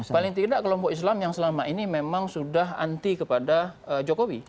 paling tidak kelompok islam yang selama ini memang sudah anti kepada jokowi